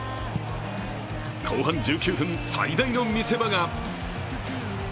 後半１９分、最大の見せ場が。